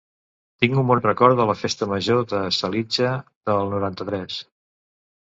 Tinc un bon record de la festa major de Salitja del noranta-tres